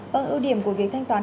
vâng ưu điểm của việc thanh toán